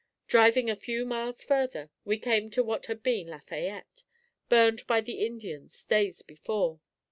Driving a few miles further, we came to what had been Lafayette, burned by the Indians days before.